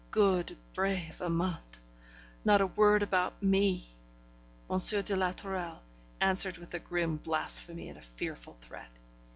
Good, brave Amante! Not a word about me. M. de la Tourelle answered with a grim blasphemy and a fearful threat.